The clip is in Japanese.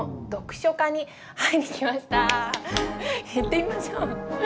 行ってみましょう。